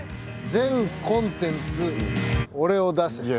「全コンテンツ俺を出せ」。